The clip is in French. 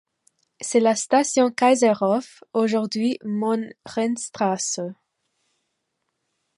C'est la station Kaiserhof, aujourd'hui Mohrenstraße.